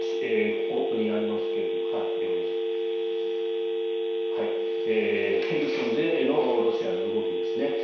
ここにありますがヘルソンでのロシアの動きですね。